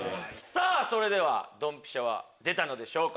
さぁそれではドンピシャは出たのでしょうか？